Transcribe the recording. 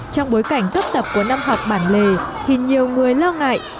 trong bối cảnh tấp tập của năm học bản lề thì nhiều người lo ngại